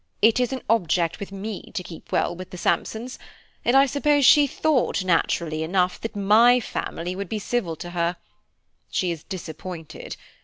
It is an object with me to keep well with the Sampsons, and I suppose she thought, naturally enough, that my family would be civil to her. She is disappointed.